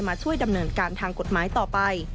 มาช่วยดำเนินการทางกฎหมายต่อไป